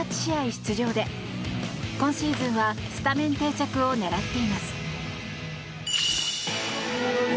出場で今シーズンはスタメン定着を狙っています。